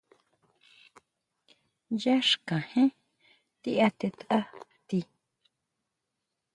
Yá xkajén ti atetʼa tíi.